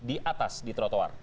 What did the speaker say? di atas di trotoar